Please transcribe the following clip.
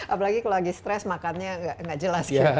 apalagi kalau lagi stres makannya nggak jelas